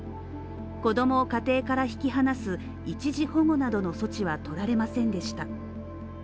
子供を家庭から引き離す一時保護などの措置は取られませんでした。